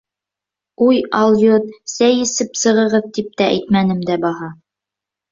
— Уй, алйот, сәй эсеп сығығыҙ, тип тә әйтмәнем дә баһа!..